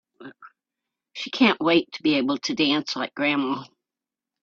She can't wait to be able to dance like grandma!